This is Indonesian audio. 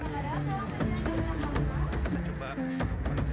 ketika penerbangan tersebut pengaturan tersebut tidak akan diatur